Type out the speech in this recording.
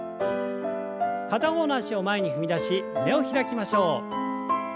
片方の脚を前に踏み出し胸を開きましょう。